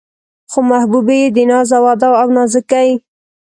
خو محبوبې يې د ناز و ادا او نازکۍ